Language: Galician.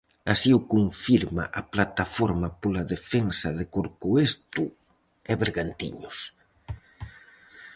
Así o confirma a plataforma pola defensa de Corcoesto e Bergantiños.